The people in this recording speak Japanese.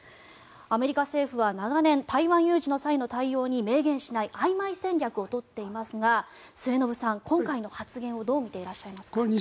アメリカ政府は長年台湾有事の対応に明言しないあいまい戦略を取っていますが末延さん、今回の発言をどう見ていらっしゃいますか？